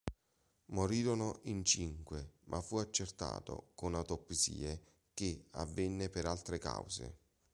Morirono in cinque ma fu accertato con autopsie che avvenne per altre cause.